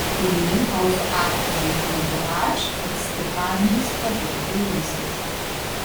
The women also act as an entourage at Stefani's public appearances.